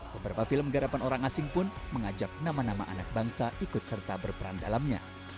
beberapa film garapan orang asing pun mengajak nama nama anak bangsa ikut serta berperan dalamnya